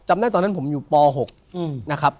ได้ตอนนั้นผมอยู่ป๖นะครับ